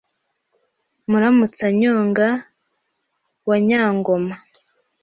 Muramutsanyonga wa Nyangoma